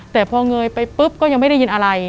แต่พอเงยไปปุ๊บก็ยังไม่ได้ยินอะไร